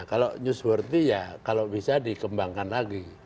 nah kalau newsworthy ya kalau bisa dikembangkan lagi